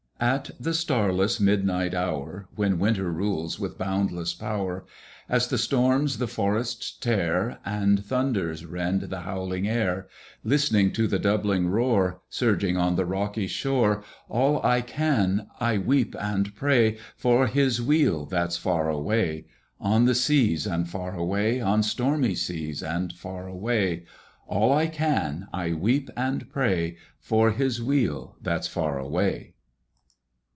At the starless, midnight hour When Winter rules with boundless power, As the storms the forests tear, And thunders rend the howling air, Listening to the doubling roar, Surging on the rocky shore, All I can I weep and pray For his weal that's far away, On the seas and far away, On stormy seas and far away; All I can I weep and pray, For his weal that's far away.